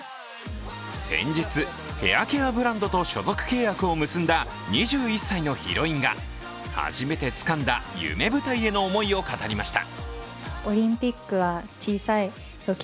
先日、ヘアケアブランドと所属契約を結んだ２１歳のヒロインが初めてつかんだ夢舞台への思いを語りました。